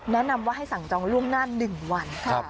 แนะนำว่าให้สั่งจองล่วงหน้า๑วัน